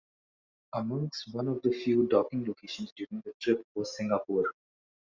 Amongst one of the few docking locations during the trip was Singapore.